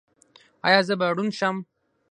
ایا زه به ړوند شم؟